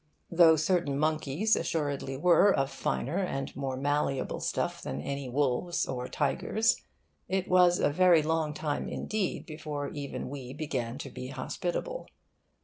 Though certain monkeys assuredly were of finer and more malleable stuff than any wolves or tigers, it was a very long time indeed before even we began to be hospitable.